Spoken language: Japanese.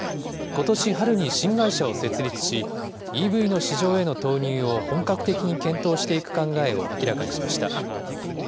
ことし春に新会社を設立し、ＥＶの市場への投入を本格的に検討していく考えを明らかにしました。